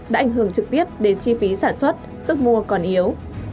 đã ảnh hưởng trực tiếp đến chi phí sản xuất sức mua còn yếu